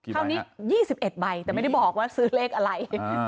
คราวนี้๒๑ใบแต่ไม่ได้บอกว่าซื้อเลขอะไร